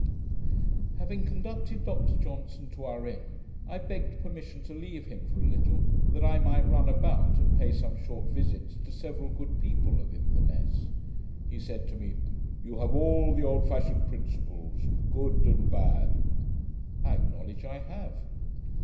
] Having conducted Dr Johnson to our inn, I begged permission to leave him for a little, that I might run about and pay some short visits to several good people of Inverness. He said to me, 'You have all the old fashioned principles, good and bad.' I acknowledge I have.